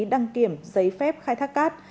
đăng kiểm giấy phép khai thác cát